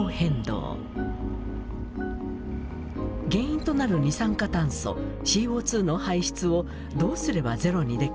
原因となる二酸化炭素ＣＯの排出をどうすればゼロにできるのか。